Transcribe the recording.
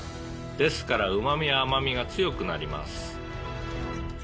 「ですからうまみ甘みが強くなります」